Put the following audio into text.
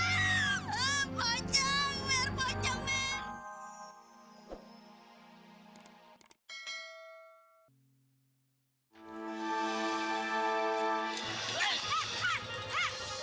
luka law diaani